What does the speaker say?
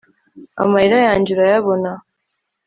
amarira yange urayabona